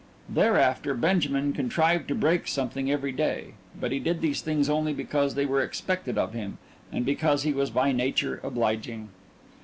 Thereafter Benjamin contrived to break something every day, but he did these things only because they were expected of him, and because he was by nature obliging.